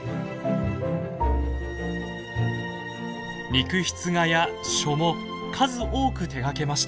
肉筆画や書も数多く手がけました。